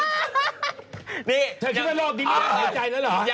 เธอชื่อว่าโรคดีไม่มีการหายใจแล้วเหรอ